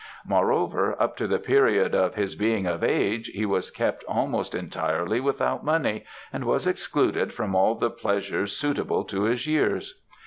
Moreover, up to the period of his being of age, he was kept almost entirely without money, and was excluded from all the pleasures suitable to his years.